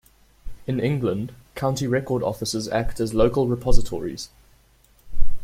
In England, County Record Offices act as local repositories.